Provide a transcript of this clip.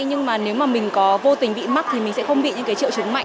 nhưng mà nếu mà mình có vô tình bị mắc thì mình sẽ không bị những triệu chứng mạnh